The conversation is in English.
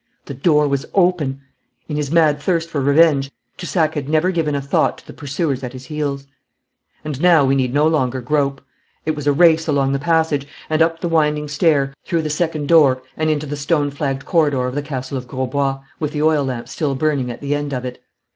The door was open. In his mad thirst for vengeance Toussac had never given a thought to the pursuers at his heels. And now we need no longer grope. It was a race along the passage and up the winding stair, through the second door, and into the stone flagged corridor of the Castle of Grosbois, with the oil lamp still burning at the end of it.